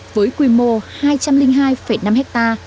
với quy mô hai trăm linh hai năm ha